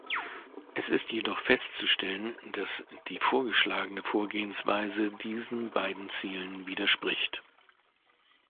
Es ist jedoch festzustellen, dass die vorgeschlagene Vorgehensweise diesen beiden Zielen widerspricht.